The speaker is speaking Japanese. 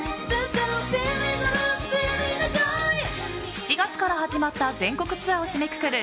７月から始まった全国ツアーを締めくくる